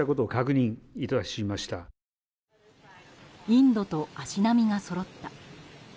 インドと足並みがそろった。